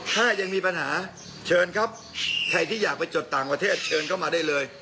ถ้ายังมีปัญหาเชิญครับใครที่อยากไปจดต่างประเทศเชิญเข้ามาได้เลย